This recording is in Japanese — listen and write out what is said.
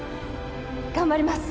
頑張ります！